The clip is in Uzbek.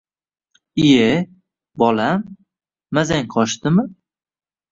Iye, bolam, mazang qochdimi